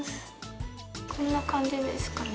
こんな感じですかね。